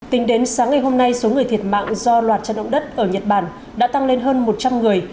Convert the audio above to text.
tính đến sáng ngày hôm nay số người thiệt mạng do loạt trận động đất ở nhật bản đã tăng lên hơn một trăm linh người